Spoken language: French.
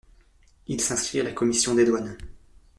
Il s'inscrit à la Commission des douanes.